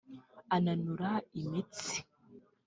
ananura imitsi